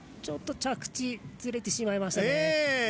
ちょっと着地ずれてしまいましたね。